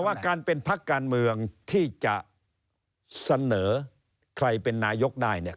ว่าการเป็นพักการเมืองที่จะเสนอใครเป็นนายกได้เนี่ย